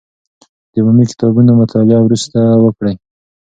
د عمومي کتابونو مطالعه وروسته وکړئ.